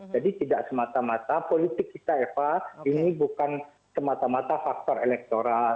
jadi tidak semata mata politik kita eva ini bukan semata mata faktor elektoral